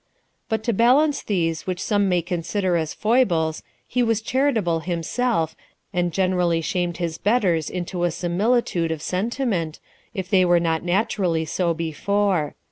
But to balance these which some may consider as foibles, he was charitable himself, and generally shamed his betters into a similitude of sentiment, if they were not naturally so before.